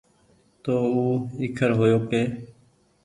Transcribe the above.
تو او ايکرهيو ڪي